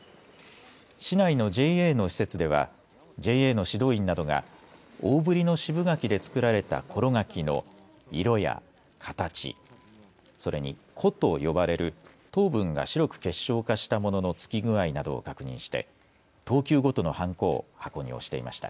市内のＪＡの施設ではＪＡの指導員などが大ぶりの渋柿で作られたころ柿の色や形、それに粉と呼ばれる糖分が白く結晶化したものの付き具合などを確認して等級ごとのはんこを箱に押していました。